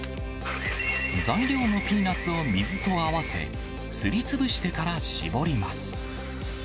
材料のピーナツを水と合わせ、すりつぶしてから搾ります。